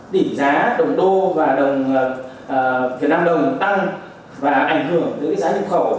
tỉ giá đồng đô và đồng việt nam đồng tăng và ảnh hưởng đến giá nhập khẩu